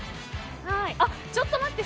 ちょっと待って！